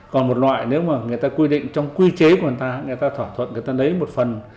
còn một loại nếu mà người ta quy định trong quy chế của người ta người ta thỏa thuận người ta lấy một phần